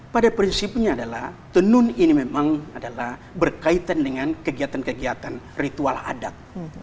pada prinsipnya adalah tenun ini memang adalah berkaitan dengan kegiatan kegiatan ritual adat